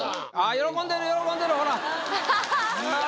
喜んでる喜んでるほらはははっ